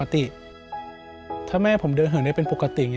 หากต้องเก็บเรื่องก็กลับมา